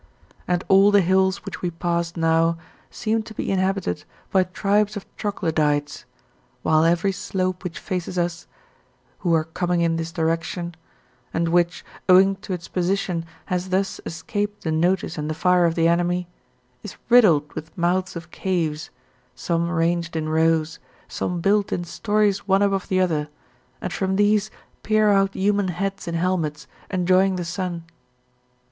And all the hills which we pass now seem to be inhabited by tribes of troglodytes, while every slope which faces us, who are coming in this direction, and which, owing to its position, has thus escaped the notice and the fire of the enemy, is riddled with mouths of caves, some ranged in rows, some built in stories one above the other, and from these peer out human heads in helmets, enjoying the sun.